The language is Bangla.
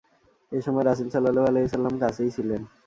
এ সময় রাসূল সাল্লাল্লাহু আলাইহি ওয়াসাল্লাম কাছেই ছিলেন।